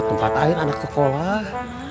tempat air anak sekolah